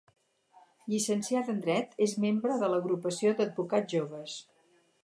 Llicenciada en dret, és membre de l'Agrupació d'Advocats Joves.